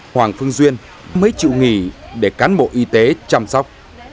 hoàng phương duyên mới chịu nghỉ để cán bộ y tế chăm sóc